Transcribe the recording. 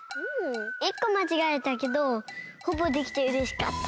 １こまちがえたけどほぼできてうれしかった。